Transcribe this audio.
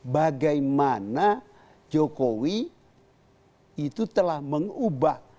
bagaimana jokowi itu telah mengubah